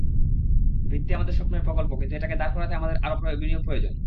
ভিত্তি আমাদের স্বপ্নের প্রকল্প, কিন্তু এটাকে দাঁড় করাতে আমাদের আরও বিনিয়োগ প্রয়োজন।